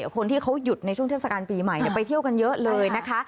คนที่เขาหยุดในช่วงเทศกาลปีใหม่ไปเที่ยวกันเยอะเลยนะคะ